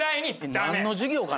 何の授業かな。